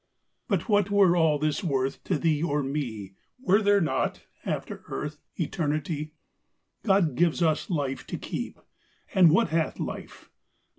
But what were all this worth To thee or me, Were there not, after earth, Eternity? God gives us life to keep. And what hath life?